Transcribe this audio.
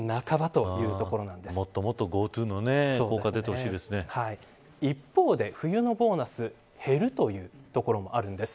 もっともっとＧｏＴｏの効果一方で、冬のボーナス減るというところもあるんです。